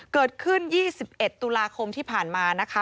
เกิดขึ้น๒๑ตุลาคมที่ผ่านมานะคะ